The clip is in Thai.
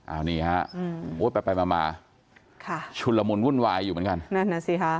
อันนี้ครับไปมาชุลมนต์วุ่นวายอยู่เหมือนกัน